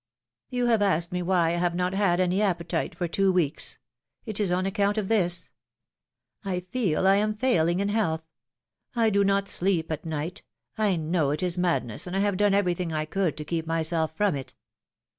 "You have asked me why I have not had any appetite for two weeks: it is on account of this. I feel I am failing in health. I do not sleep at night. I know it is madness, and I have done everything I could to keep myself from it."